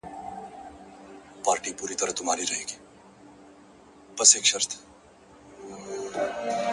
دا به نو حتمي وي کرامت د نوي کال ـ